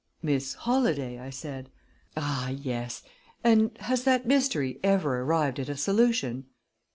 "Miss Holladay," I said. "Ah, yes; and has that mystery ever arrived at a solution?"